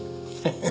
ハハハ。